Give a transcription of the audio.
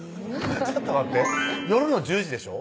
ちょっと待って夜の１０時でしょ？